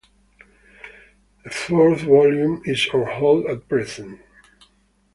A fourth volume is on hold at present.